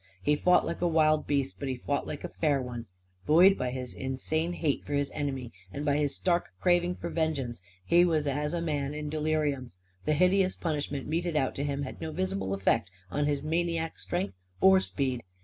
He fought like a wild beast, but he fought like a fair one. Buoyed up by his insane hate for his enemy and by his stark craving for vengeance, he was as a man in delirium. The hideous punishment meted out to him had no visible effect on his maniac strength or speed.